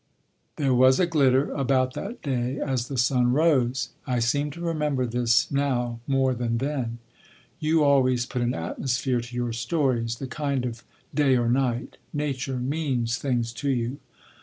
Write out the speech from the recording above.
There was a glitter about that day as the sun rose. I seem to remember this now more than then. You always put an atmosphere to your stories—the kind of day or night. Nature means things to you....